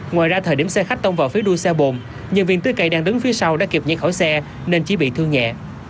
ngoài ra thời điểm xe khách tông vào phía đuôi xe bồn nhân viên tưới cây đang đứng phía sau đã kịp nhảy khỏi xe nên chỉ bị thương nhẹ